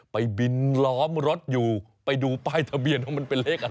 ไปบินล้อมรถอยู่ไปดูป้ายทะเบียนว่ามันเป็นเลขอะไร